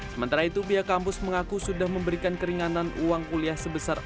sementara itu pihak kampus mengaku sudah memberikan keringanan uang kuliah sebesar empat puluh